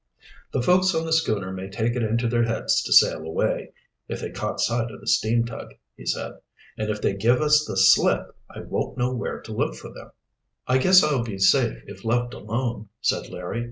"The folks on the schooner may take it into their heads to sail away, if they caught sight of the steam tug," he said. "And if they give us the slip I won't know where to look for them." "I guess I'll be safe if left alone," said Larry.